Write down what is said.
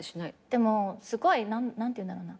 でもすごい何ていうんだろうな？